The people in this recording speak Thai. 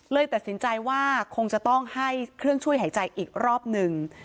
เลยตัดสินใจว่าคงจะต้องให้เครื่องช่วยหายใจอีกรอบหนึ่ง